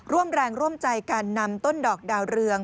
ร่วมแรงร่วมใจการนำต้นดอกดาวเรือง